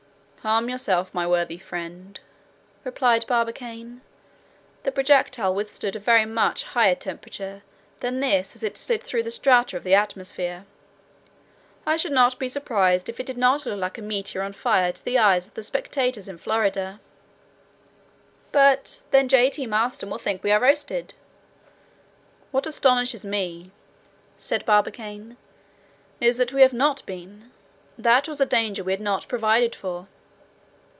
"Calm yourself, my worthy friend," replied Barbicane; "the projectile withstood a very much higher temperature than this as it slid through the strata of the atmosphere. I should not be surprised if it did not look like a meteor on fire to the eyes of the spectators in Florida." "But then J. T. Maston will think we are roasted!" "What astonishes me," said Barbicane, "is that we have not been. That was a danger we had not provided for."